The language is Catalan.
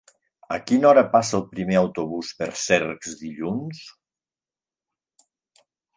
A quina hora passa el primer autobús per Cercs dilluns?